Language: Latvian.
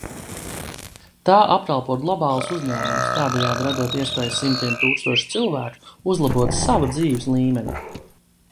Tā apkalpo globālus uzņēmumus, tādējādi radot iespēju simtiem tūkstošu cilvēku uzlabot savu dzīves līmeni.